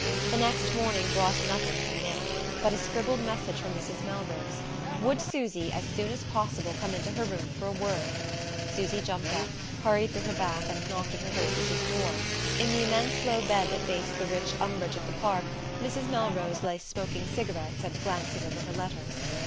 The next morning brought nothing from Nick, but a scribbled message from Mrs. Melrose: would Susy, as soon as possible, come into her room for a word, Susy jumped up, hurried through her bath, and knocked at her hostess's door. In the immense low bed that faced the rich umbrage of the park Mrs. Melrose lay smoking cigarettes and glancing over her letters.